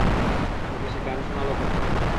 তোকে সে গান শোনালো কখন?